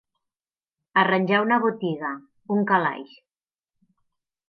Arranjar una botiga, un calaix.